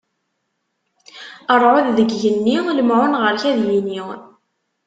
Ṛṛɛud deg yigenni, lemɛun ɣer-k ad yini!